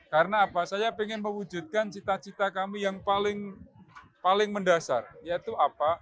karena apa saya ingin mewujudkan cita cita kami yang paling mendasar yaitu apa